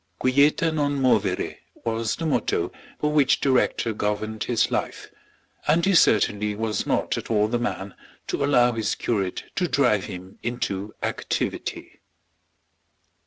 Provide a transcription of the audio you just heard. Quieta non movere was the motto by which the rector governed his life, and he certainly was not at all the man to allow his curate to drive him into activity.